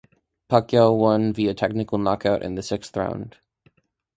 Pacquiao won via technical knockout in the sixth round.